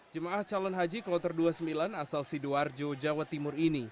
jemaah calon haji kloter dua puluh sembilan asal sidoarjo jawa timur ini